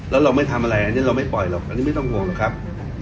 แล้วเราไม่ทำอะไรอันนี้เราไม่ปล่อยหรอกอันนี้ไม่ต้องห่วงหรอกครับ